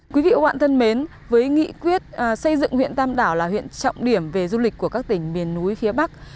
quý vị ủng hộ thân mến với nghị quyết xây dựng huyện tam đảo là huyện trọng điểm về du lịch của các tỉnh miền núi phía bắc